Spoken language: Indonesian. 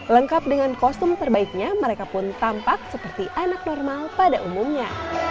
lengkap dengan kostum terbaiknya mereka pun tampak seperti anak normal pada umumnya